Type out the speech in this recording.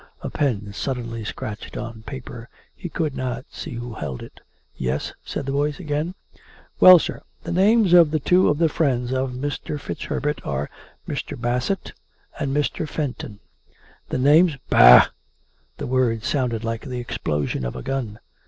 A pen suddenly scratched on paper. He could not see who held it. " Yes ?" said the voice again. " Well^ sir. The names of two of the friends of Mr. FitzHerbert are, Mr. Bassett and Mr. Fenton. The names "" Bah !" (The word sounded like the explosion of a gun.)